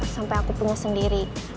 sampai aku punya sendiri